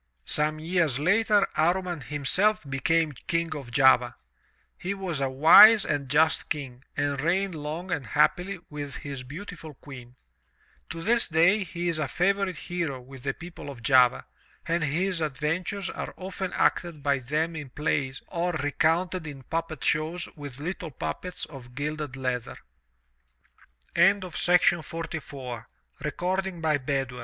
Some years later, Amman himself became King of Java. He was a wise and just King and reigned long and happily with his beautiful Queen. To this day he is a favorite hero with the people of Java and his adventures are often acted by them in plays or recounted in puppet shows with little puppets of gilded leath